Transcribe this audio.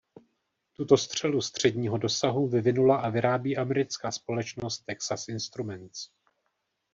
Tuto střelu středního dosahu vyvinula a vyrábí americká společnost Texas Instruments.